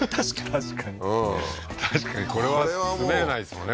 確かに確かにこれは住めないですもんね